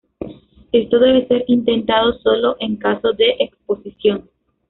Esto debe ser intentado sólo en caso de exposición.